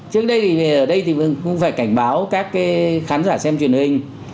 trước đây thì ở đây thì cũng phải cảnh báo các khán giả xem truyền hình